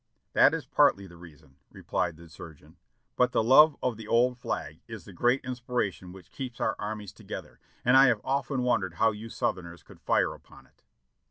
"That is partly the reason," replied the surgeon, "but the love of the old flag is the great inspiration which keeps our armies together, and I have often wondered how you Southerners could fire upon it."